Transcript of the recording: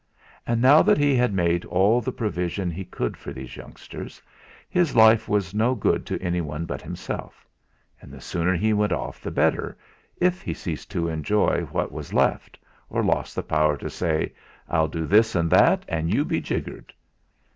And now that he had made all the provision he could for those youngsters, his life was no good to any one but himself; and the sooner he went off the better, if he ceased to enjoy what there was left, or lost the power to say: "I'll do this and that, and you be jiggered!"